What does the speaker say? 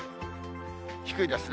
低いですね。